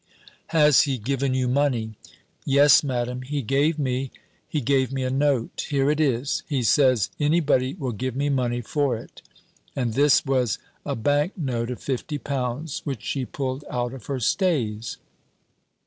"Has he given you money?" "Yes, Madam, he gave me he gave me a note. Here it is. He says any body will give me money for it." And this was a bank note of fifty pounds, which she pulled out of her stays.